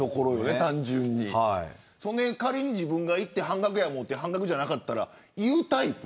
仮に自分が行って半額だと思って半額じゃなかったら言うタイプ。